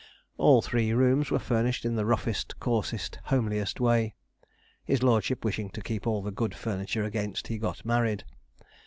All three rooms were furnished in the roughest, coarsest, homeliest way his lordship wishing to keep all the good furniture against he got married.